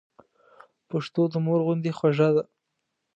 پښتو د مور غوندي خوږه ده.